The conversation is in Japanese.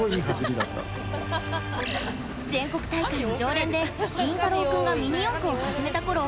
全国大会の常連でリンタロウ君がミニ四駆を始めたころ